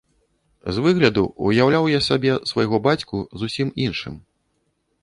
З выгляду ўяўляў я сабе свайго бацьку зусім іншым.